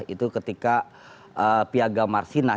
itu ketika piagam marsinah